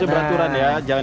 lebih premium bangetizar